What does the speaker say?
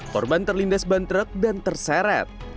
korban terlindas bantrek dan terseret